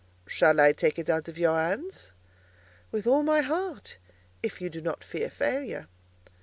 "Shall I take it out of your hands?" "With all my heart; if you do not fear failure."